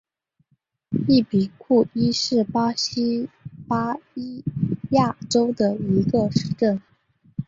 伊比库伊是巴西巴伊亚州的一个市镇。